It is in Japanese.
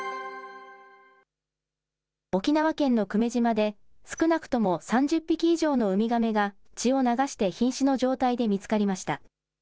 沖縄県の久米島で、少なくとも３０匹以上のウミガメが血を流してひん死の状態で見つかりました。